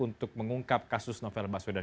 untuk mengungkap kasus novel baswedan